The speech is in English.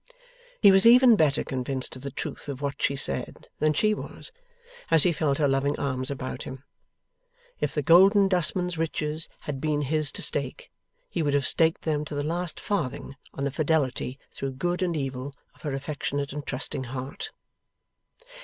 He was even better convinced of the truth of what she said than she was, as he felt her loving arms about him. If the Golden Dustman's riches had been his to stake, he would have staked them to the last farthing on the fidelity through good and evil of her affectionate and trusting heart.